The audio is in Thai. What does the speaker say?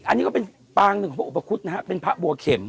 อันนี้ก็เป็นปางหนึ่งของพระอุปคุฎนะฮะเป็นพระบัวเข็ม